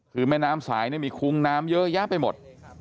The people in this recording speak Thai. คือแม่น้ำสายมีคุ้งน้ำเยอะแยะไปหมด